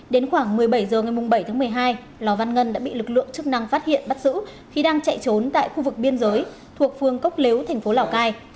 đến khoảng một mươi bảy h ngày bảy tháng một mươi hai lò văn ngân đã bị lực lượng chức năng phát hiện bắt giữ khi đang chạy trốn tại khu vực biên giới thuộc phương cốc lếu thành phố lào cai